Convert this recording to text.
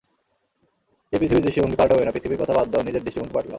এই পৃথিবীর দৃষ্টিভংগি পাল্টাবে না পৃথিবীর কথা বাদ দাও নিজের দৃষ্টিভংগি পাল্টাও।